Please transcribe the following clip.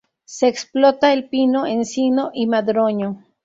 Se explota el pino, encino y madroño.